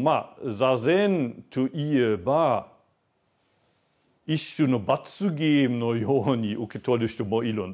まあ坐禅といえば一種の罰ゲームのように受け取る人もいるんですね。